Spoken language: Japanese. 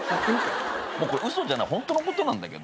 これ嘘じゃないホントのことなんだけど。